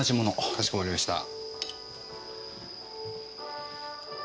かしこまりました。